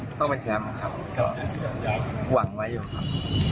ต้องเป็นแซมหวั่นไว้อยู่ครับ